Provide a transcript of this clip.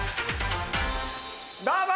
どうも！